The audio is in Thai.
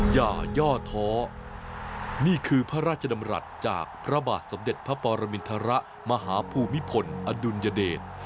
อย่าย่อท้อนี่คือพระราชดำรัฐจากพระบาทสมเด็จพระปรมินทรมาหาภูมิพลอดุลยเดช